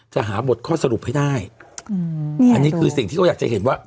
หาบทข้อสรุปให้ได้อืมนี่อันนี้คือสิ่งที่เขาอยากจะเห็นว่า